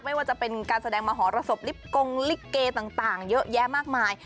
ไม่ว่าจะเป็นการแสดงมหรสบลิปกงลิเกต่างเยอะแยะมากมาย